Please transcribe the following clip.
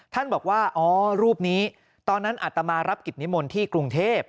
ท่านบอกว่าอ๋อรูปนี้ตอนนั้นอัตมารับกิจนิมนต์ที่กรุงเทพ